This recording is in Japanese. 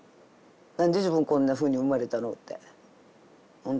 何で自分こんなふうに生まれたのってほんとに。